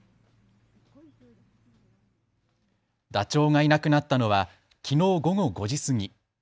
ダチョウがいなくなったのはきのう午後５時過ぎ。